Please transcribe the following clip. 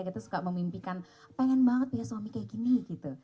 kita suka memimpikan pengen banget biar suami kayak gini gitu